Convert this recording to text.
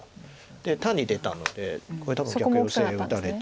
で単に出たのでこれ多分逆ヨセ打たれて。